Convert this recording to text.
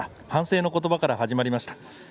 反省のことばから始まりました。